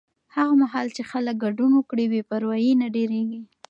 هغه مهال چې خلک ګډون وکړي، بې پروایي نه ډېریږي.